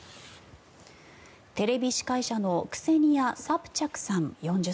テレビ司会者のクセニア・サプチャクさん、４０歳。